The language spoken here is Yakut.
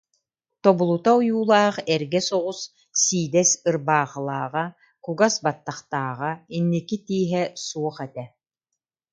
Тобулута ойуулаах эргэ соҕус сиидэс ырбаахылааҕа, кугас баттахтааҕа, инники тииһэ суох этэ